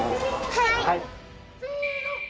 はい！